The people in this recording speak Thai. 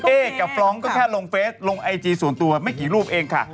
กับฟร้องก็แค่ลงเฟสลงไอจีส่วนตัวไม่กี่รูปเองค่ะ